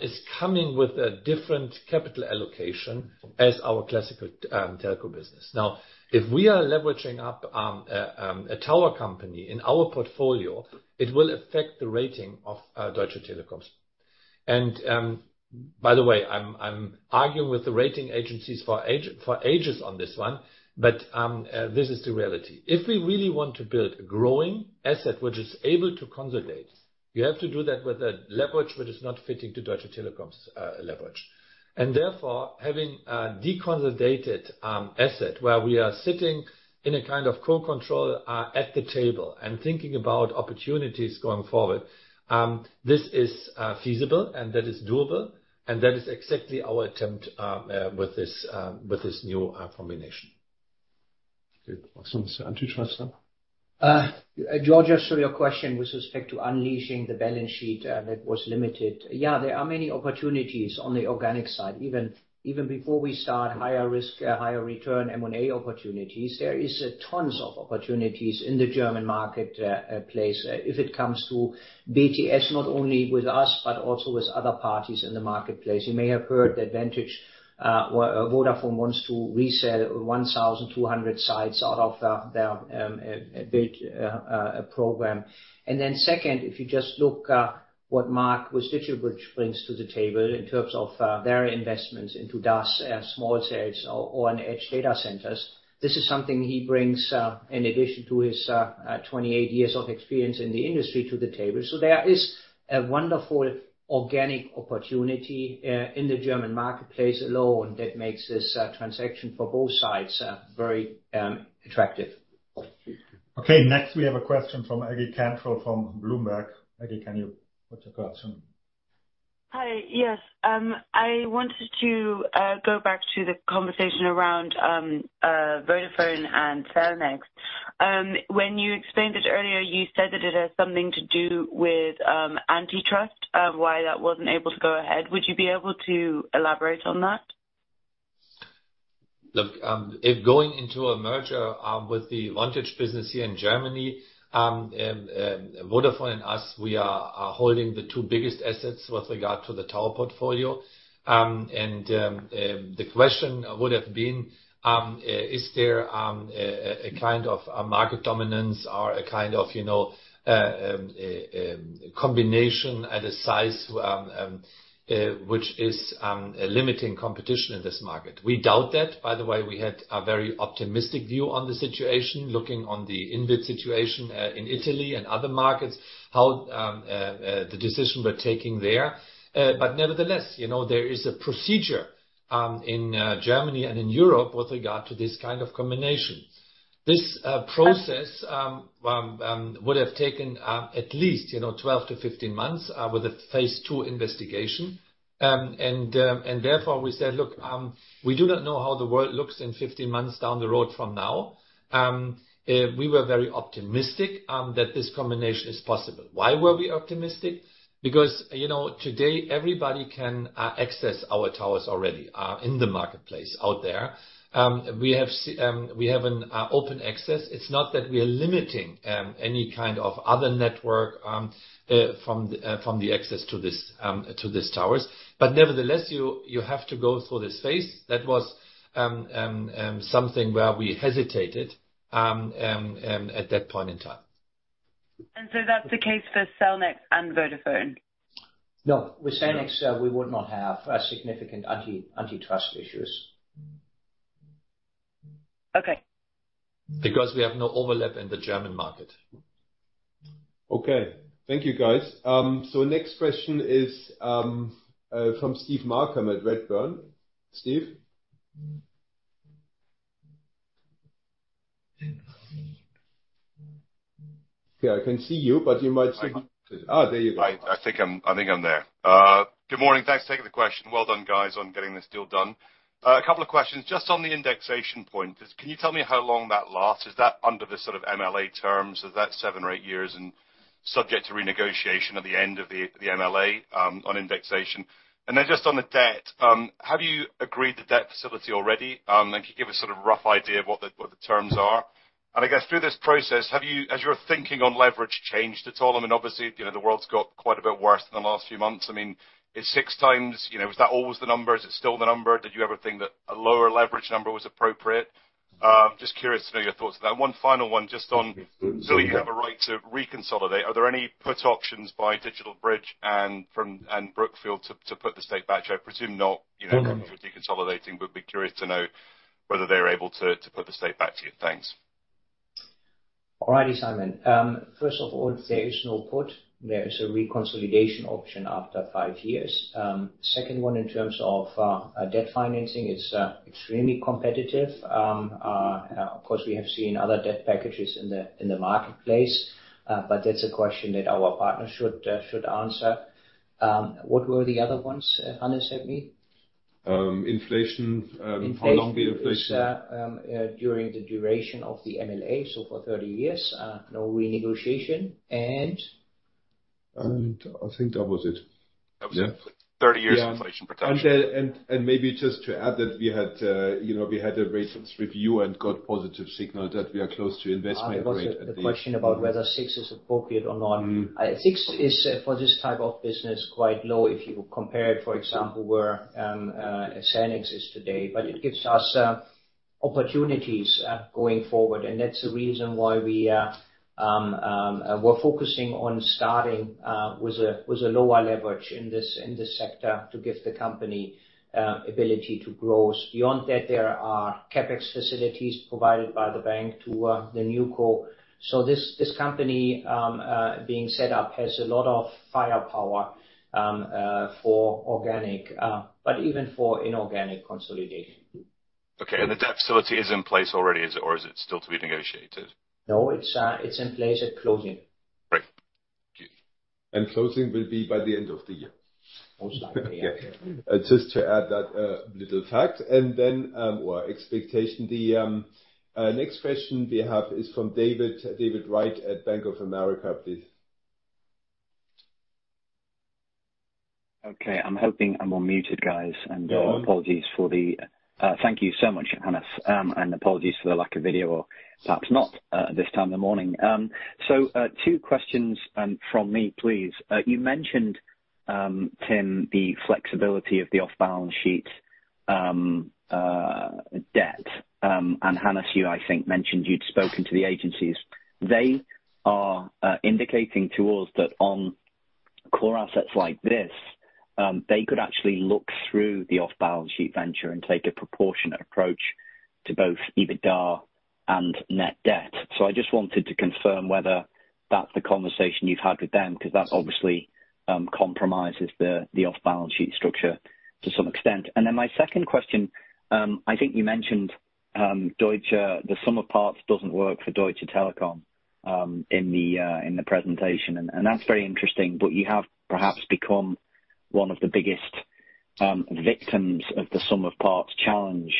is coming with a different capital allocation as our classical telco business. Now, if we are leveraging up a tower company in our portfolio, it will affect the rating of Deutsche Telekom's. By the way, I'm arguing with the rating agencies for ages on this one, but this is the reality. If we really want to build a growing asset which is able to consolidate, you have to do that with a leverage which is not fitting to Deutsche Telekom's leverage. Therefore, having a deconsolidated asset where we are sitting in a kind of co-control at the table and thinking about opportunities going forward, this is feasible and that is doable, and that is exactly our attempt with this with this new combination. Good. George, just to your question with respect to unleashing the balance sheet, that was limited. Yeah, there are many opportunities on the organic side. Even before we start higher risk, higher return M&A opportunities, there is tons of opportunities in the German marketplace, if it comes to BTS, not only with us, but also with other parties in the marketplace. You may have heard that Vantage Towers, Vodafone wants to resell 1,200 sites out of their big program. Then second, if you just look what Marc Ganzi with DigitalBridge brings to the table in terms of their investments into DAS and small cells or on edge data centers. This is something he brings in addition to his 28 years of experience in the industry to the table. There is a wonderful organic opportunity in the German marketplace alone that makes this transaction for both sides very attractive. Okay. Next, we have a question from Aggi Cantrill from Bloomberg. Aggi, can you put your question? Hi. Yes. I wanted to go back to the conversation around Vodafone and Cellnex. When you explained it earlier, you said that it has something to do with antitrust, why that wasn't able to go ahead. Would you be able to elaborate on that? Look, if going into a merger with the Vantage business here in Germany, Vodafone and us, we are holding the two biggest assets with regard to the tower portfolio. The question would have been, is there a kind of market dominance or a kind of, you know, a combination at a size which is limiting competition in this market. We doubt that, by the way, we had a very optimistic view on the situation, looking on the Inwit situation in Italy and other markets, how the decision we're taking there. Nevertheless, you know, there is a procedure in Germany and in Europe with regard to this kind of combination. This process would have taken at least you know, 12-15 months with a phase II investigation. Therefore we said, "Look, we do not know how the world looks in 15 months down the road from now." We were very optimistic that this combination is possible. Why were we optimistic? Because you know, today everybody can access our towers already in the marketplace out there. We have an open access. It's not that we are limiting any kind of other network from the access to these towers. Nevertheless, you have to go through this phase. That was something where we hesitated at that point in time. That's the case for Cellnex and Vodafone? No. With Cellnex, we would not have significant antitrust issues. Okay. Because we have no overlap in the German market. Okay. Thank you, guys. Next question is from Steve Malcolm at Redburn. Steve? Yeah, I can see you, but you might still be. Oh, there you go. I think I'm there. Good morning. Thanks for taking the question. Well done, guys, on getting this deal done. A couple of questions. Just on the indexation point, just can you tell me how long that lasts? Is that under the sort of MLA terms? Is that seven or eight years and subject to renegotiation at the end of the MLA on indexation? And then just on the debt, have you agreed the debt facility already? And can you give a sort of rough idea of what the terms are? And I guess through this process, has your thinking on leverage changed at all? I mean, obviously, you know, the world's got quite a bit worse in the last few months. I mean, is 6x, you know, was that always the number? Is it still the number? Did you ever think that a lower leverage number was appropriate? Just curious to know your thoughts on that. One final one, just on so you have a right to reconsolidate. Are there any put options by DigitalBridge and Brookfield to put the stake back? I presume not, you know, deconsolidating, but be curious to know whether they're able to put the stake back to you. Thanks. All righty, Simon. First of all, there is no put. There is a reconsolidation option after five years. Second one, in terms of debt financing, it's extremely competitive. Of course, we have seen other debt packages in the marketplace. That's a question that our partners should answer. What were the other ones, Hannes, help me? Inflation. How long the inflation Inflation is during the duration of the MLA, so for 30 years. No renegotiation? I think that was it. Yeah. That was it. 30 years inflation protection. Maybe just to add that we had, you know, a ratings review and got positive signal that we are close to investment grade at the- There was a question about whether six is appropriate or not. Mm-hmm. 6 is for this type of business quite low if you compare it, for example, where Cellnex is today. It gives us opportunities going forward. That's the reason why we're focusing on starting with a lower leverage in this sector to give the company ability to grow. Beyond that, there are CapEx facilities provided by the bank to the new co. This company being set up has a lot of firepower for organic, but even for inorganic consolidation. Okay. The debt facility is in place already, is it, or is it still to be negotiated? No, it's in place at closing. Right. Thank you. Closing will be by the end of the year. Most likely. Just to add that little fact. Our expectation. The next question we have is from David Wright at Bank of America, please. Okay. I'm hoping I'm unmuted, guys. You're on. Thank you so much, Hannes. Apologies for the lack of video or perhaps not at this time in the morning. Two questions from me, please. You mentioned, Tim, the flexibility of the off-balance sheet debt. Hannes, you, I think, mentioned you'd spoken to the agencies. They are indicating to us that on core assets like this, they could actually look through the off-balance sheet venture and take a proportionate approach to both EBITDA and net debt. I just wanted to confirm whether that's the conversation you've had with them, because that obviously compromises the off-balance sheet structure to some extent. My second question, I think you mentioned Deutsche, the sum of parts doesn't work for Deutsche Telekom in the presentation, and that's very interesting. You have perhaps become one of the biggest victims of the sum of parts challenge,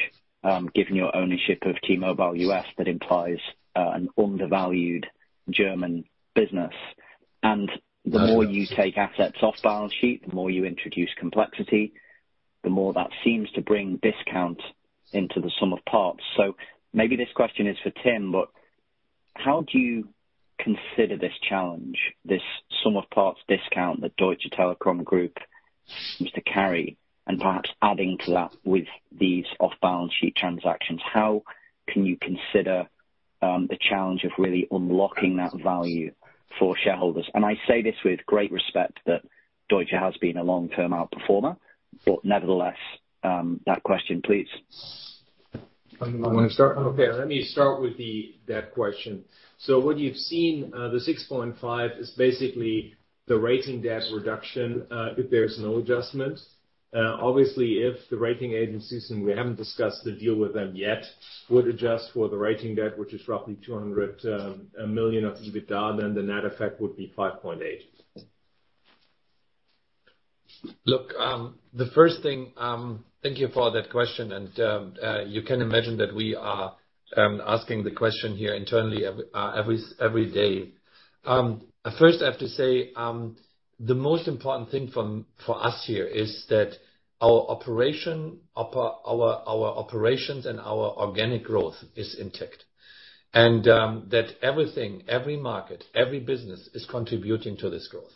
given your ownership of T-Mobile U.S. that implies an undervalued German business. The more you take assets off balance sheet, the more you introduce complexity, the more that seems to bring discount into the sum of parts. Maybe this question is for Tim. How do you consider this challenge, this sum of parts discount that Deutsche Telekom group seems to carry, and perhaps adding to that with these off balance sheet transactions? How can you consider the challenge of really unlocking that value for shareholders? I say this with great respect that Deutsche has been a long-term outperformer, but nevertheless, that question, please. Hannes, you wanna start? Okay, let me start with that question. What you've seen, the 6.5 is basically the rating debt reduction, if there's no adjustment. Obviously, if the rating agencies, and we haven't discussed the deal with them yet, would adjust for the rating debt, which is roughly 200 million of EBITDA, then the net effect would be 5.8. Look, the first thing, thank you for that question. You can imagine that we are asking the question here internally every day. First, I have to say, the most important thing for us here is that our operations and our organic growth is intact. That everything, every market, every business is contributing to this growth.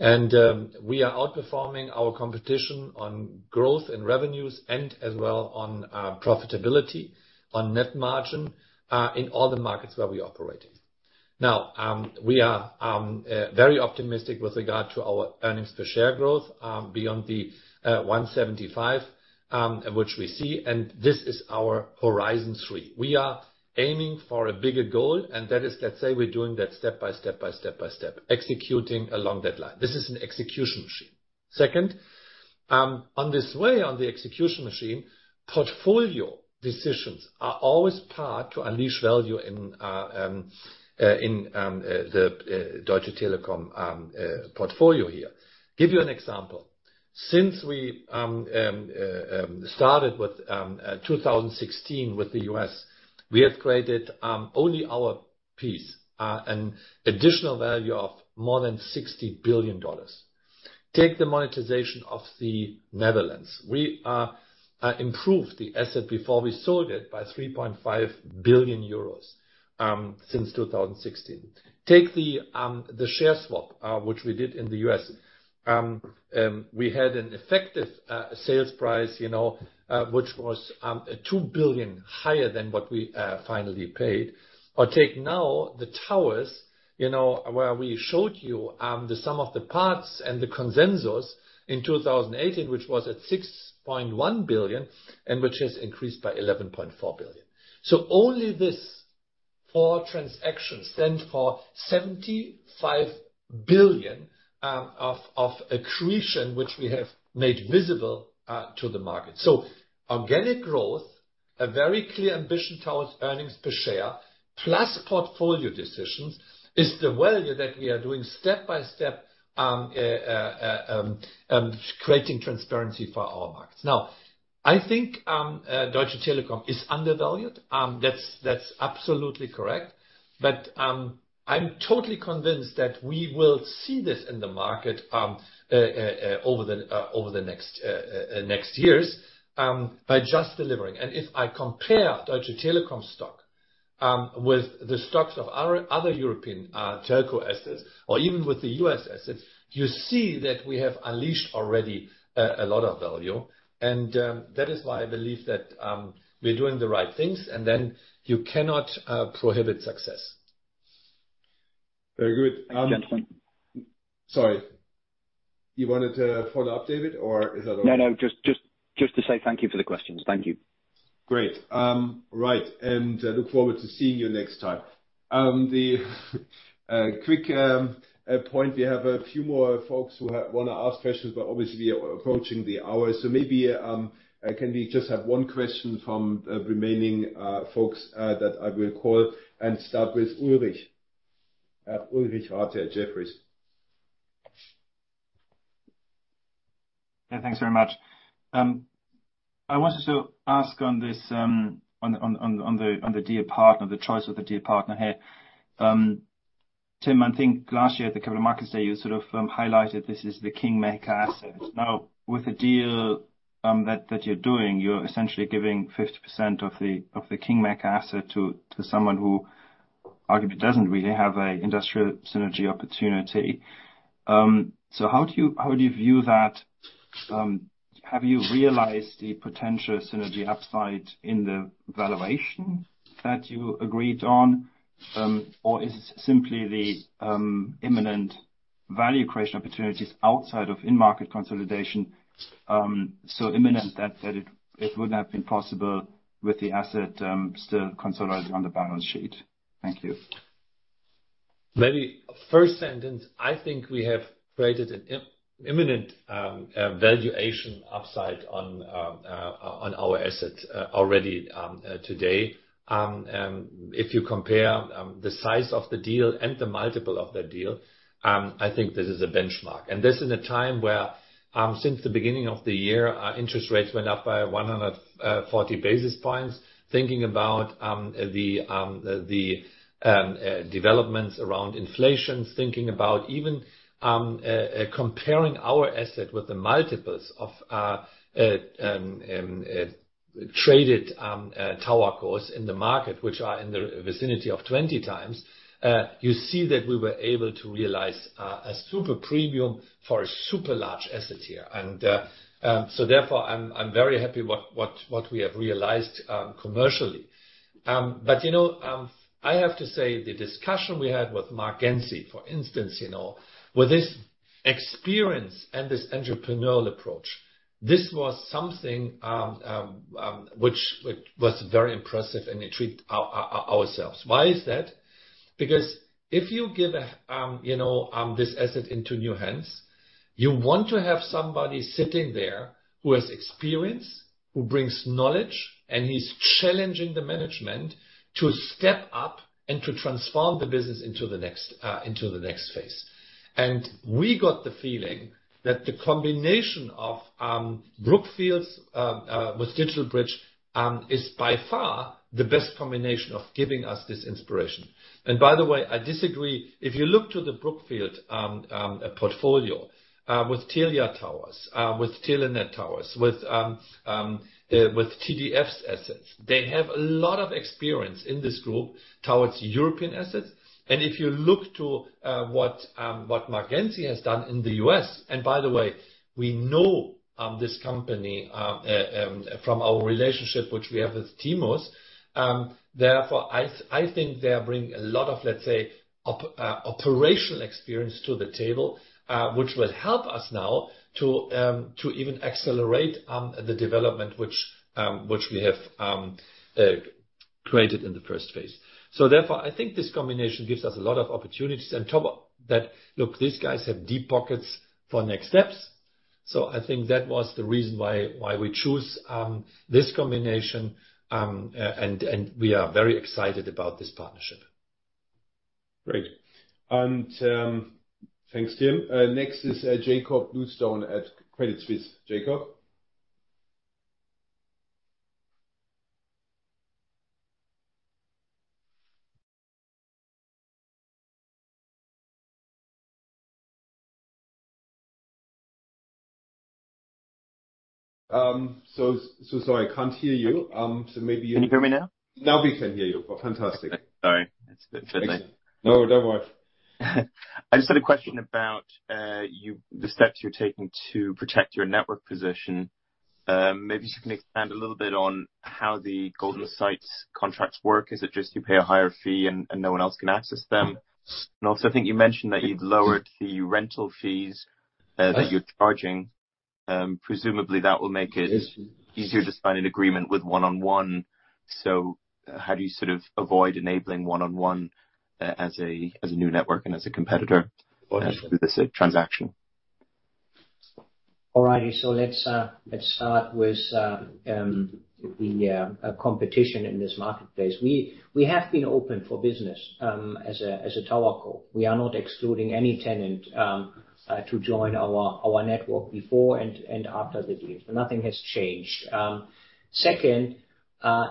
We are outperforming our competition on growth and revenues and as well on profitability, on net margin in all the markets where we operate. Now, we are very optimistic with regard to our earnings per share growth beyond the 175, which we see, and this is our horizon three. We are aiming for a bigger goal, and that is, let's say we're doing that step by step, executing along that line. This is an execution machine. Second, on this way, on the execution machine, portfolio decisions are always part to unleash value in the Deutsche Telekom portfolio here. Give you an example. Since we started with 2016 with the US, we have created only our piece, an additional value of more than $60 billion. Take the monetization of the Netherlands. We improved the asset before we sold it by 3.5 billion euros since 2016. Take the share swap which we did in the U.S. We had an effective sales price, you know, which was $2 billion higher than what we finally paid. Or take now the towers, you know, where we showed you the sum of the parts and the consensus in 2018, which was at 6.1 billion and which has increased by 11.4 billion. Only these four transactions stand for 75 billion of accretion, which we have made visible to the market. Organic growth, a very clear ambition towards earnings per share, plus portfolio decisions, is the value that we are doing step by step, creating transparency for our markets. Now, I think, Deutsche Telekom is undervalued. That's absolutely correct. I'm totally convinced that we will see this in the market over the next years by just delivering. If I compare Deutsche Telekom stock with the stocks of our other European telco assets, or even with the U.S. assets, you see that we have unleashed already a lot of value. That is why I believe that we're doing the right things, and then you cannot prohibit success. Very good. Thanks gentlemen. Sorry. You wanted to follow up, David? Or is that all? No, just to say thank you for the questions. Thank you. Great. Right. I look forward to seeing you next time. The quick point. We have a few more folks who wanna ask questions, but obviously we are approaching the hour, so maybe can we just have one question from the remaining folks that I will call and start with Ulrich. Ulrich Rathe, Jefferies. Yeah, thanks very much. I wanted to ask on this, on the deal partner, the choice of the deal partner here. Tim, I think last year at the Capital Markets Day, you sort of highlighted this is the king maker asset. Now, with the deal that you're doing, you're essentially giving 50% of the king maker asset to someone who arguably doesn't really have an industrial synergy opportunity. How do you view that? Have you realized the potential synergy upside in the valuation that you agreed on? Or is it simply the imminent value creation opportunities outside of in-market consolidation, so imminent that it wouldn't have been possible with the asset still consolidated on the balance sheet? Thank you. Very first sentence, I think we have created an imminent valuation upside on our asset already today. If you compare the size of the deal and the multiple of that deal, I think this is a benchmark. This in a time where since the beginning of the year, our interest rates went up by 140 basis points. Thinking about the developments around inflation. Thinking about even comparing our asset with the multiples of traded TowerCos in the market, which are in the vicinity of 20x, you see that we were able to realize a super premium for a super large asset here. Therefore I'm very happy with what we have realized commercially. I have to say, the discussion we had with Marc Ganzi, for instance, you know, with his experience and this entrepreneurial approach, this was something which was very impressive and it treated ourselves. Why is that? Because if you give this asset into new hands, you want to have somebody sitting there who has experience, who brings knowledge, and he's challenging the management to step up and to transform the business into the next phase. We got the feeling that the combination of Brookfield with DigitalBridge is by far the best combination of giving us this inspiration. By the way, I disagree. If you look to the Brookfield portfolio, with Telia towers, with Telenet towers, with TDF's assets, they have a lot of experience in this group towards European assets. If you look to what Marc Ganzi has done in the U.S., and by the way, we know this company from our relationship which we have with T-Mobile U.S., therefore, I think they are bringing a lot of, let's say, operational experience to the table, which will help us now to even accelerate the development which we have created in the first phase. Therefore, I think this combination gives us a lot of opportunities on top of that. Look, these guys have deep pockets for next steps, so I think that was the reason why we choose this combination. We are very excited about this partnership. Great. Thanks, Tim. Next is Jakob Bluestone at Credit Suisse. Jakob? So sorry, I can't hear you. So maybe you- Can you hear me now? Now we can hear you. Fantastic. Sorry. It's a bit fiddly. No, don't worry. I just had a question about you, the steps you're taking to protect your network position. Maybe you can expand a little bit on how the golden sites contracts work. Is it just you pay a higher fee and no one else can access them? I think you mentioned that you've lowered the rental fees that you're charging. Presumably that will make it easier to sign an agreement with 1&1. How do you sort of avoid enabling 1&1 as a new network and as a competitor with this transaction? All righty. Let's start with the competition in this marketplace. We have been open for business as a TowerCo. We are not excluding any tenant to join our network before and after the deal. Nothing has changed. Second-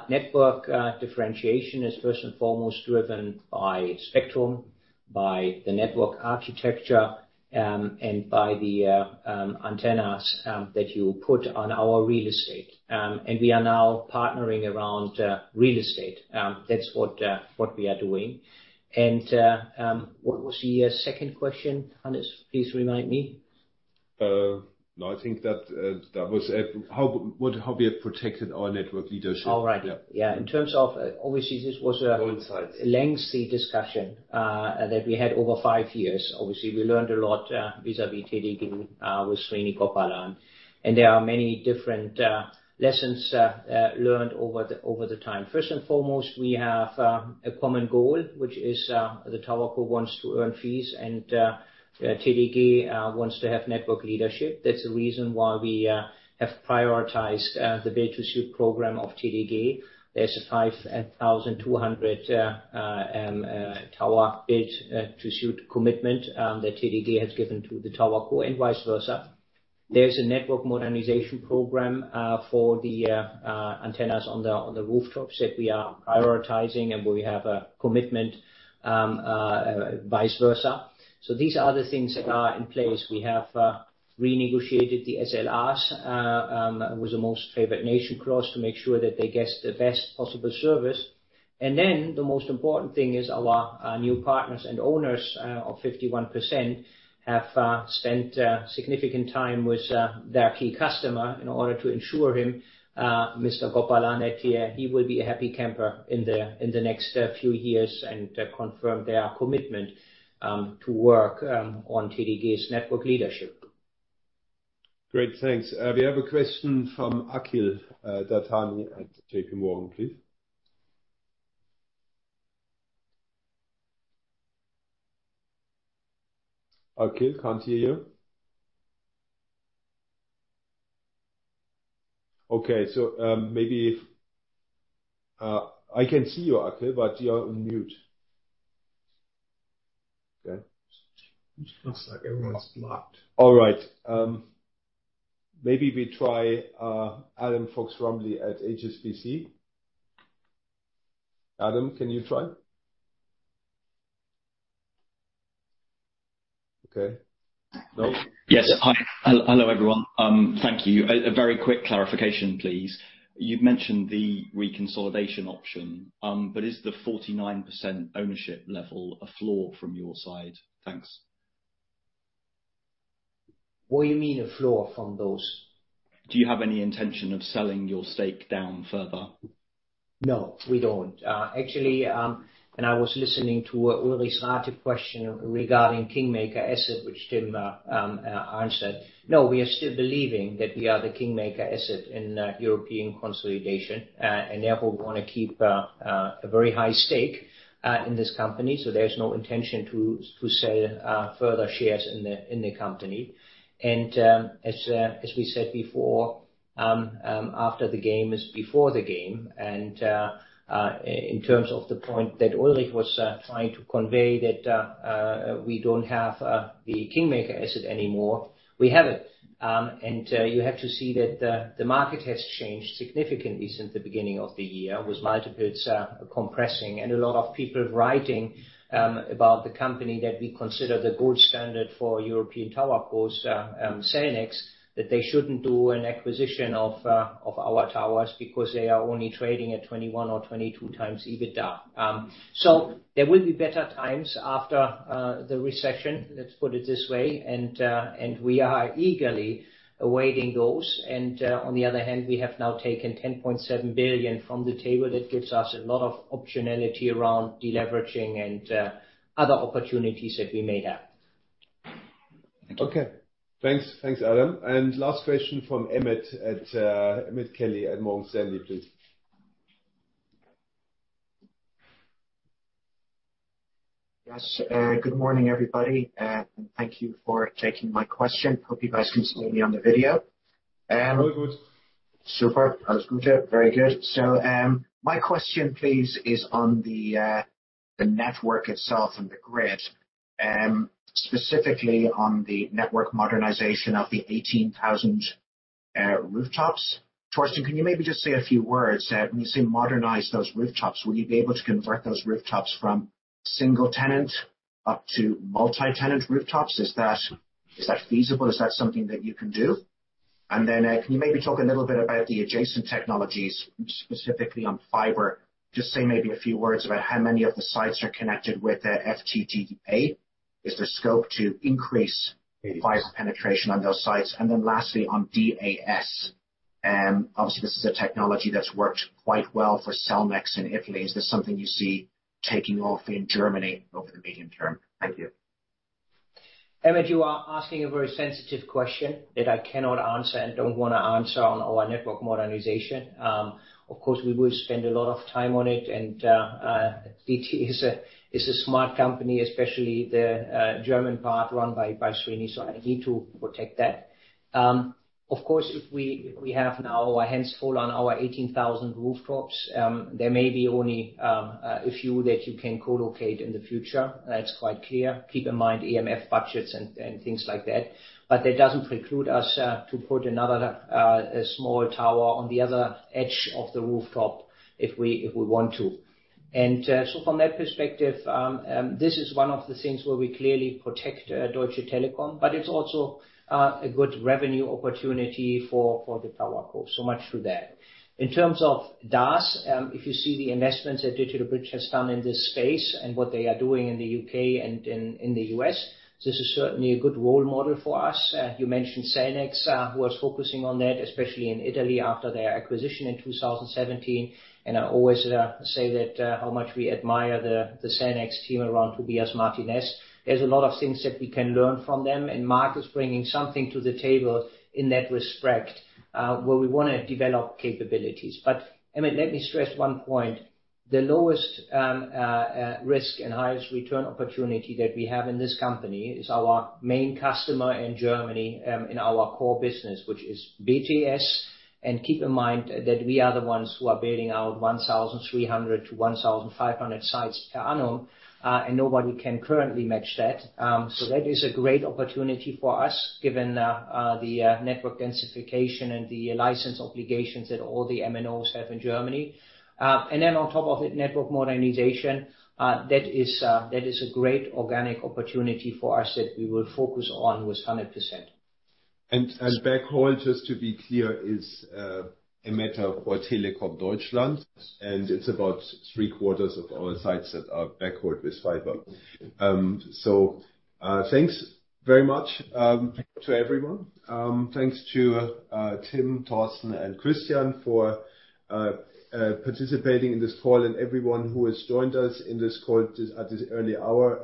Network differentiation is first and foremost driven by spectrum, by the network architecture, and by the antennas that you put on our real estate. We are now partnering around real estate. That's what we are doing. What was the second question, Hannes? Please remind me. No, I think that was it. How we have protected our network leadership. All right. Yeah. Yeah. In terms of, obviously, this was. Coincide Lengthy discussion that we had over five years. Obviously, we learned a lot vis-à-vis DTAG with Srinivasan Gopalan, and there are many different lessons learned over time. First and foremost, we have a common goal, which is the TowerCo wants to earn fees and DTAG wants to have network leadership. That's the reason why we have prioritized the build-to-suit program of DTAG. There's a 5,200-tower build-to-suit commitment that DTAG has given to the TowerCo and vice versa. There's a network modernization program for the antennas on the rooftops that we are prioritizing, and we have a commitment vice versa. These are the things that are in place. We have renegotiated the SLAs with the most favored nation clause to make sure that they get the best possible service. The most important thing is our new partners and owners of 51% have spent significant time with their key customer in order to ensure him Mr. Gopalan at DT. He will be a happy camper in the next few years and confirm their commitment to work on DTAG's network leadership. Great. Thanks. We have a question from Akhil Dattani at JPMorgan, please. Akhil, can't hear you. Okay. I can see you, Akhil, but you are on mute. Okay. Looks like everyone's blocked. All right. Maybe we try Adam Fox-Rumley at HSBC. Adam, can you try? Okay. No? Yes. Hi. Hello, everyone. Thank you. A very quick clarification, please. You'd mentioned the reconsolidation option, but is the 49% ownership level a floor from your side? Thanks. What do you mean a floor from those? Do you have any intention of selling your stake down further? No, we don't. Actually, I was listening to Ulrich's last question regarding kingmaker asset, which Tim answered. No, we are still believing that we are the kingmaker asset in European consolidation, and therefore we wanna keep a very high stake in this company. So there's no intention to sell further shares in the company. As we said before, after the game is before the game. In terms of the point that Ulrich was trying to convey that we don't have the kingmaker asset anymore, we have it. You have to see that the market has changed significantly since the beginning of the year, with multiples compressing and a lot of people writing about the company that we consider the gold standard for European TowerCos, Cellnex. That they shouldn't do an acquisition of our towers because they are only trading at 21x or 22x EBITDA. There will be better times after the recession, let's put it this way. We are eagerly awaiting those. On the other hand, we have now taken 10.7 billion from the table. That gives us a lot of optionality around deleveraging and other opportunities that we may have. Thank you. Okay. Thanks. Thanks, Adam. Last question from Emmet Kelly at Morgan Stanley, please. Yes. Good morning, everybody, and thank you for taking my question. Hope you guys can see me on the video. Very good. Superb. All is good. Yeah. Very good. My question please is on the network itself and the grid, specifically on the network modernization of the 18,000 rooftops. Thorsten, can you maybe just say a few words that when you say modernize those rooftops, will you be able to convert those rooftops from single tenant up to multi-tenant rooftops? Is that feasible? Is that something that you can do? And then, can you maybe talk a little bit about the adjacent technologies, specifically on fiber? Just say maybe a few words about how many of the sites are connected with FTTP. Is there scope to increase? Eighty-five... fiber penetration on those sites? Lastly, on DAS, obviously this is a technology that's worked quite well for Cellnex in Italy. Is this something you see taking off in Germany over the medium term? Thank you. Emmet, you are asking a very sensitive question that I cannot answer and don't want to answer on our network modernization. Of course, we will spend a lot of time on it, and DT is a smart company, especially the German part run by Srini, so I need to protect that. Of course, if we have now our hands full on our 18,000 rooftops, there may be only a few that you can co-locate in the future. That's quite clear. Keep in mind EMF budgets and things like that. But that doesn't preclude us to put another small tower on the other edge of the rooftop if we want to. From that perspective, this is one of the things where we clearly protect Deutsche Telekom, but it's also a good revenue opportunity for the TowerCo. Much for that. In terms of DAS, if you see the investments that DigitalBridge has done in this space and what they are doing in the U.K. and in the U.S., this is certainly a good role model for us. You mentioned Cellnex, who was focusing on that, especially in Italy after their acquisition in 2017. I always say that how much we admire the Cellnex team around Tobias Martinez. There's a lot of things that we can learn from them, and Marc is bringing something to the table in that respect, where we wanna develop capabilities. Emmet, let me stress one point. The lowest risk and highest return opportunity that we have in this company is our main customer in Germany, in our core business, which is BTS. Keep in mind that we are the ones who are building out 1,300 to 1,500 sites per annum, and nobody can currently match that. That is a great opportunity for us given the network densification and the license obligations that all the MNOs have in Germany. Then on top of it, network modernization that is a great organic opportunity for us that we will focus on with 100%. Backhaul, just to be clear, is a matter for Telekom Deutschland, and it's about three-quarters of our sites that are backhauled with fiber. Thanks very much to everyone. Thanks to Tim, Thorsten, and Christian for participating in this call and everyone who has joined us in this call at this early hour.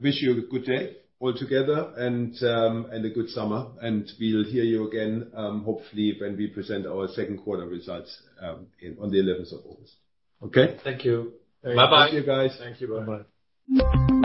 Wish you a good day all together and a good summer. We'll hear you again hopefully when we present our second quarter results on the eleventh of August. Okay? Thank you. Bye-bye. See you guys. Thank you. Bye-bye.